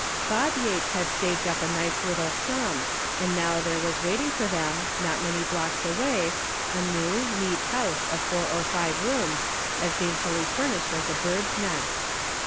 Bob Yates had saved up a nice little sum, and now there was waiting for them, not many blocks away, a new, neat house of four or five rooms, as daintily furnished as a bird's nest.